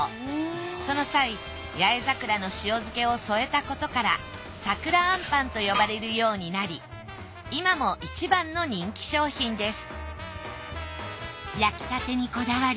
その際八重桜の塩漬けを添えたことから桜あんぱんと呼ばれるようになり今もいちばんの人気商品です